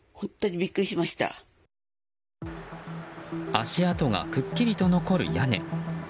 足跡がくっきりと残る屋根。